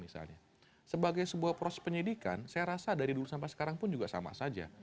sebagai sebuah proses penyelidikan saya rasa dari dulu sampai sekarang pun sama saja